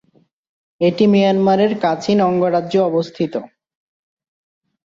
এটি মিয়ানমারের কাচিন অঙ্গরাজ্যে অবস্থিত।